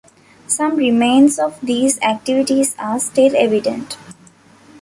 Some remains of these activities are still evident.